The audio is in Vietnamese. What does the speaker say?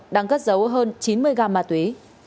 đang cất giấu hơn chín mươi gam ma túy